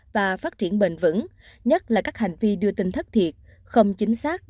và phát triển bền vững nhất là các hành vi đưa tin thất thiệt không chính xác